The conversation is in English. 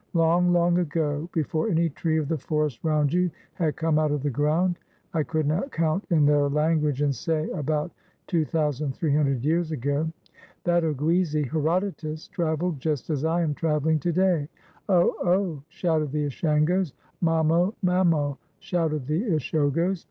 Long, long ago, before any tree of the forest round you had come out of the ground" (I could not count in their language, and say about 2300 years ago), "that Oguizi, Herodotus, traveled just as I am traveling to day" — "0/z ,' oh /" shouted the Ashangos. '^Mamo I mamo /" shouted the Ishogos.